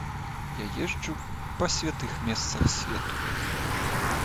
Я езджу па святых месцах свету.